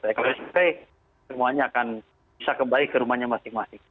kalau yang setelah ini semuanya akan bisa kembali ke rumahnya masing masing